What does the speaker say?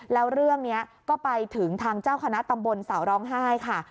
แล้วเรื่องนี้ก็ไปถึงทางเจ้าคณะตำบลเสาร้องไห้ค่ะ